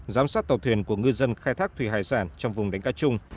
giám sát tàu tuyển của ngư dân khai thác thủy hải sản trong vùng đánh cá trung